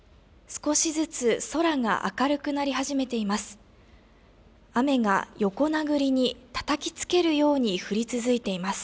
少しずつ空が明るくなり始めています。